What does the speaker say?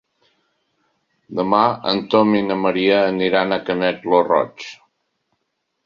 Demà en Tom i na Maria aniran a Canet lo Roig.